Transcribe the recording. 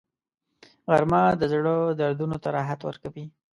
غرمه د زړه دردونو ته راحت ورکوي